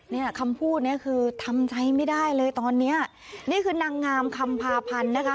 เนี่ยคำพูดเนี้ยคือทำใจไม่ได้เลยตอนเนี้ยนี่คือนางงามคำพาพันธ์นะคะ